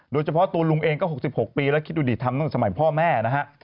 โดยเฉพาะตัวลุงเองก็๖๖ปีแล้วคิดดูดิทำตั้งแต่สมัยพ่อแม่นะฮะ